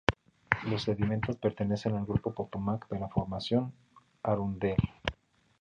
Los sedimentos pertenecen al grupo Potomac, de la Formación Arundel.